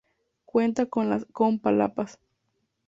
Cuenta con palapas.